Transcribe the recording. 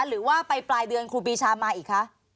หรือว่าไปปลายเดือนครูปีชามาอีกคะ